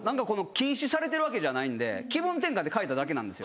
禁止されてるわけじゃないんで気分転換で変えただけなんですよ。